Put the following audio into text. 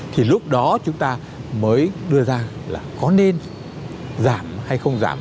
thì lúc đó chúng ta mới đưa ra là có nên giảm hay không giảm